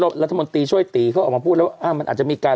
รัฐมนตรีช่วยตีเขาออกมาพูดแล้วว่ามันอาจจะมีการ